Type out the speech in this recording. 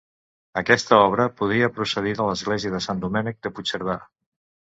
Aquesta obra podria procedir de l'església de Sant Domènec de Puigcerdà.